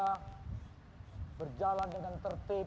hai berjalan dengan tertib